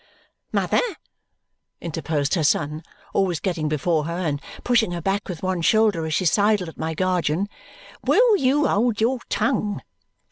"Mother," interposed her son, always getting before her and pushing her back with one shoulder as she sidled at my guardian, "WILL you hold your tongue?"